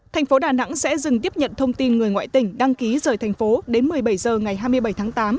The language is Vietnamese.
thành phố đà nẵng sẽ dừng tiếp nhận thông tin người ngoại tỉnh đăng ký rời thành phố đến một mươi bảy h ngày hai mươi bảy tháng tám